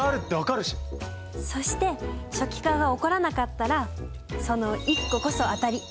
そして初期化が起こらなかったらその１個こそ当たり。